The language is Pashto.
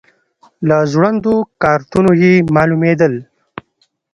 له ځوړندو کارتونو یې معلومېدل.